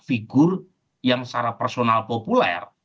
figur yang secara personal populer